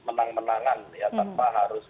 menang menangan tanpa harus